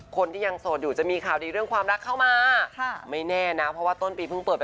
คนที่ยังโสดอยู่จะมีข่าวดีเรื่องความรักเข้ามาค่ะไม่แน่นะเพราะว่าต้นปีเพิ่งเปิดไป